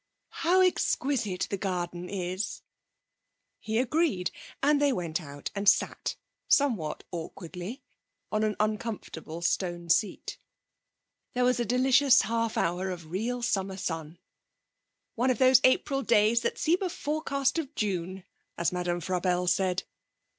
'How exquisite the garden is.' He agreed, and they went out and sat, somewhat awkwardly, on an uncomfortable stone seat. There was a delicious half hour of real summer sun 'One of those April days that seem a forecast of June,' as Madame Frabelle said.